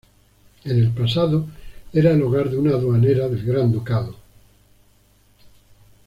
En el pasado, era el hogar de una aduaneras del Gran Ducado.